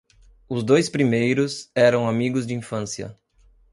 Os dois primeiros eram amigos de infância.